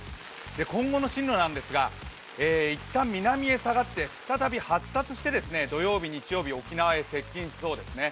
今後の進路なんですがいったん南へ下がって再び発達して土曜日、日曜日に沖縄に接近しそうですね。